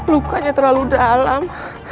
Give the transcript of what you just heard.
lukanya terlalu dalam